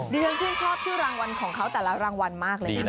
เรียงขึ้นครอบชื่อรางวัลของเขาแต่ละรางวัลมากเลย